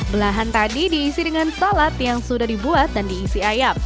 belahan tadi diisi dengan salad yang sudah dibuat dan diisi ayam